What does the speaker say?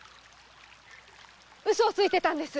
ウソをついてたんです！